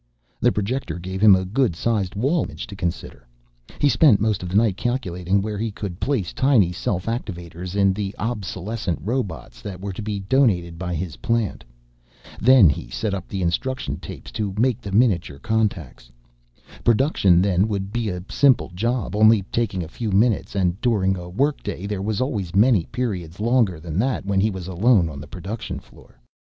The projector gave him a good sized wall image to consider. He spent most of the night calculating where he could place tiny self activators in the "obsolescent" robots that were to be donated by his plant. Then he set up the instruction tapes to make the miniature contacts. Production then would be a simple job, only taking a few minutes, and during a working day there were always many periods longer than that when he was alone on the production floor.